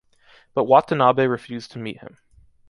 But Watanabe refused to meet him.